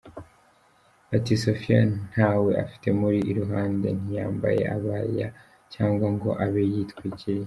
Bati “Sophia ntawe afite umuri iruhande, ntiyambaye abaya cyangwa ngo abe yitwikiriye